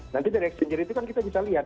nanti dari exchanger itu kan kita bisa lihat